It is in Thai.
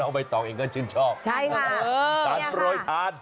ออกไปต่อเองก็ชินชอบใช่ค่ะตัดโรยทาน